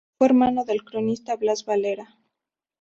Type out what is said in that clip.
Fue hermano del cronista Blas Valera.